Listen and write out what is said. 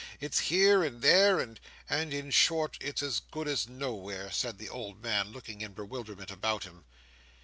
It's here and there, and—and, in short, it's as good as nowhere," said the old man, looking in bewilderment about him.